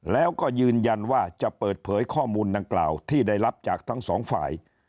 แล้วก็ยืนยันว่าจะเปิดเผยข้อมูลดังกล่าวที่ได้รับจากทั้งสองฝ่าย